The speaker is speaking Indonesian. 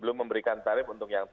belum memberikan tarif untuk yang